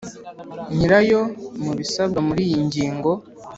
nyirayo Mu ibisabwa muri iyi ngingo